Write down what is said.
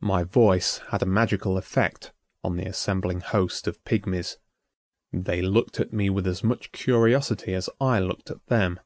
My voice had a magical effect on the assembling host of pigmies. They looked at me with as much curiosity as I looked at them.